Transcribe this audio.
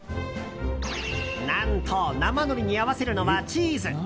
何と、生のりに合わせるのはチーズ！